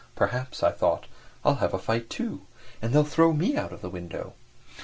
"Perhaps," I thought, "I'll have a fight, too, and they'll throw me out of the window."